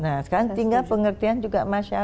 nah sekarang tinggal pengertian juga makin banyak